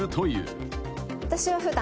私は普段。